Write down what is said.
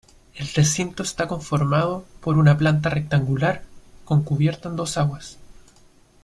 El recinto está conformado por una planta rectangular, con cubierta en dos aguas.